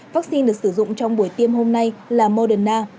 vaccine được sử dụng trong buổi tiêm hôm nay là moderna